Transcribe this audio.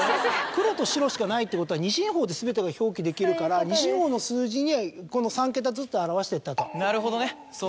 黒と白しかないってことは２進法で全てが表記できるから２進法の数字にこの３桁ずつ表してったと。